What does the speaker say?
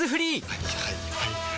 はいはいはいはい。